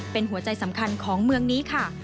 เป็นหัวใจสำคัญของเมืองนี้ค่ะ